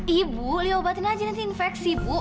ibu liat obatin aja nanti infeksi bu